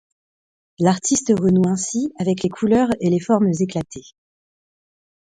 L’artiste renoue ainsi avec les couleurs et les formes éclatées.